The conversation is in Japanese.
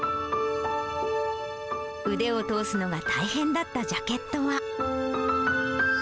腕を通すのが大変だったジャケットは。